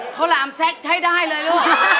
ข้าวหลามแซ็คใช้ได้เลยล่ะ